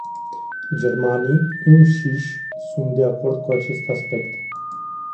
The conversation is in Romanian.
Germanii înșiși sunt de acord cu acest aspect.